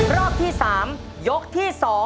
รอบที่๓ยกที่๒